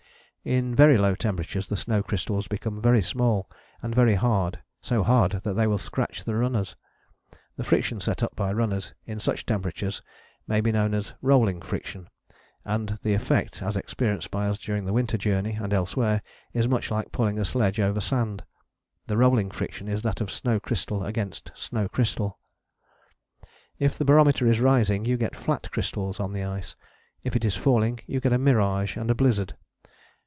In very low temperatures the snow crystals become very small and very hard, so hard that they will scratch the runners. The friction set up by runners in such temperatures may be known as rolling friction, and the effect, as experienced by us during the Winter Journey and elsewhere, is much like pulling a sledge over sand. This rolling friction is that of snow crystal against snow crystal. If the barometer is rising you get flat crystals on the ice, if it is falling you get mirage and a blizzard.